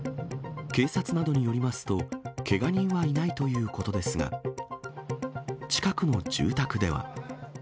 警察などによりますと、けが人はいないということですが、近くの住宅では。